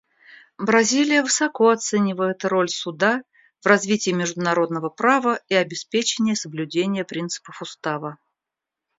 Бразилия высоко оценивает роль Суда в развитии международного права и обеспечении соблюдения принципов Устава.